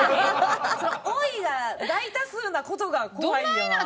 「おい！」が大多数な事が怖いよな。